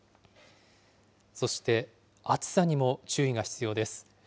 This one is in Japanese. そして、暑さにも注意が必要です。